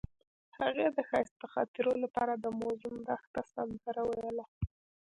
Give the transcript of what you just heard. هغې د ښایسته خاطرو لپاره د موزون دښته سندره ویله.